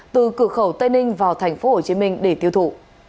từ cửa khẩu tây ninh vào tp hcm để tiêu thụ